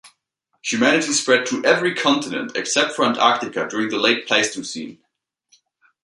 Humanity spread to every continent except for Antarctica during the Late Pleistocene.